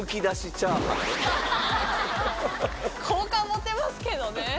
好感持てますけどね。